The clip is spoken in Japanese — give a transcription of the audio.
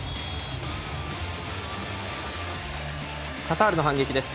カタールの反撃です。